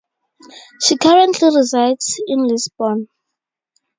She currently resides in Lisbon.